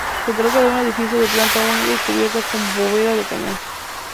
Se trata de un edificio de planta única y cubierta con bóveda de cañón.